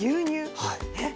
えっ！